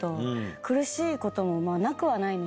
苦しいこともなくはないんで。